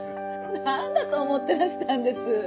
何だと思ってらしたんです。